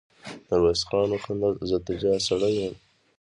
ميرويس خان وخندل: زه تجار سړی يم.